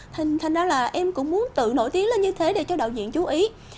thành ra là em cũng muốn tự nổi tiếng lên như thế để cho đầu diễn chú ý